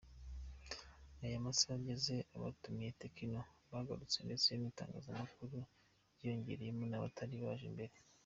Ayo masaha yageze abatumiye Tekno bagarutse ndetse n’itangazamakuru ryiyongereyemo n’abatari baje mbere.